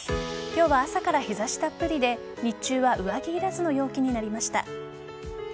今日は朝から日差したっぷりで日中は上着いらずの陽気になりました。